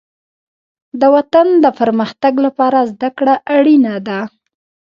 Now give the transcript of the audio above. د وطن د پرمختګ لپاره زدهکړه اړینه ده.